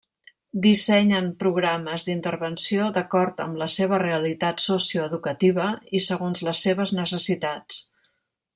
Dissenyen programes d'intervenció d'acord amb la seva realitat socioeducativa i segons les seves necessitats.